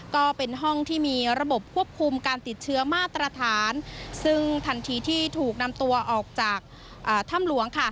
ก็เป็นห้องที่มีระบบควบคุมการติดเชื้อมาตรฐานซึ่งทันทีที่ถูกนำตัวออกจากถ้ำหลวงค่ะ